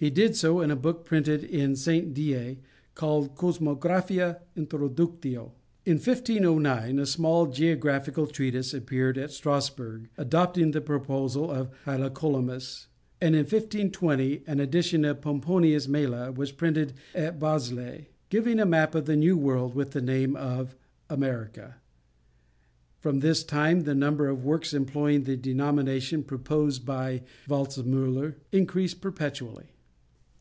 He did so in a book printed at Saint Dié and called Cosmographia introductio. In 1509 a small geographical treatise appeared at Strasburg adopting the proposal of Hylacolymus; and in 1520 an edition of Pomponius Mela was printed at Basle, giving a map of the New World with the name of America. From this time the number of works employing the denomination proposed by Waldtzemuller increased perpetually.